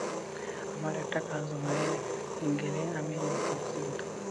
আমার একটি কাজ হয়ে গেলেই আমি নিশ্চিন্ত।